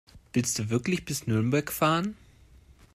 Willst du wirklich bis nach Nürnberg fahren?